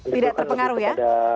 tidak terpengaruh ya